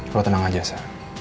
lo tenang aja sa